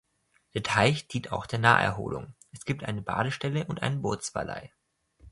Der Teich dient auch der Naherholung, es gibt eine Badestelle und einen Bootsverleih.